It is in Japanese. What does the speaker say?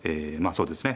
そうですね